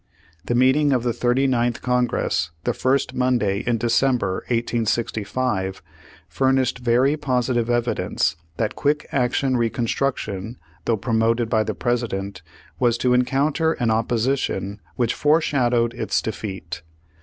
The meeting of the Thirty ninth Congress the first Monday in December, 1865, furnished very positive evidence that quick action Reconstruc tion, though promoted by the President, was to encounter an opposition which forshadowed its defeat.